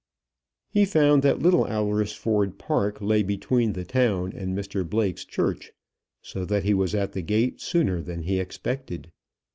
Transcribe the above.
He found that Little Alresford Park lay between the town and Mr Blake's church, so that he was at the gate sooner than he expected.